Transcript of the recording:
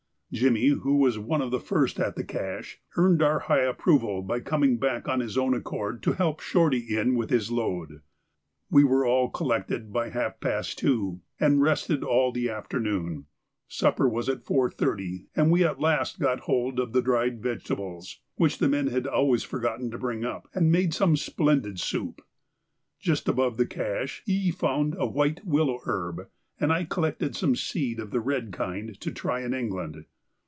Jimmy, who was one of the first at the cache, earned our high approval by coming back of his own accord to help Shorty in with his load. We were all collected by half past two, and rested all the afternoon. Supper was at 4.30, and we at last got hold of the dried vegetables, which the men had always forgotten to bring up, and made some splendid soup. Just above the cache E. found a white willow herb, and I collected some seed of the red kind to try in England.